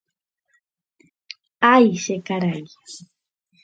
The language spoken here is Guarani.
Ái che karai